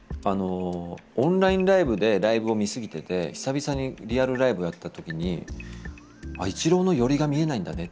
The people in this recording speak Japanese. オンラインライブでライブを見すぎてて久々にリアルライブをやった時に「あっ一郎の寄りが見えないんだね」